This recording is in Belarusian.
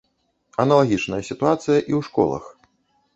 Аналагічная сітуацыя і ў школах.